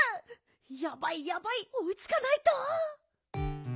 やばいやばいおいつかないと！